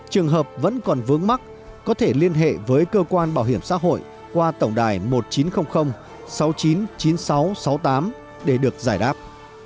trường hợp vẫn còn vướng mắt có thể liên hệ với cơ quan bảo hiểm xã hội qua tổng đài một nghìn chín trăm linh sáu mươi chín chín nghìn sáu trăm sáu mươi tám để được giải đáp